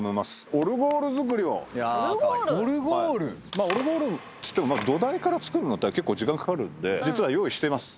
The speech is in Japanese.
オルゴールっつっても土台から作るの結構時間かかるんで実は用意してます